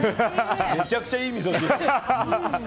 めちゃくちゃいいみそ汁。